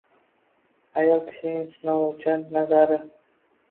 Ayol kishining sinovchan Nazari